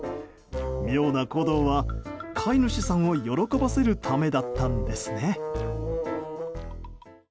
妙な行動は、飼い主さんを喜ばせるためだったんですね。